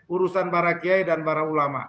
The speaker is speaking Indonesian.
urusan para kiai dan para ulama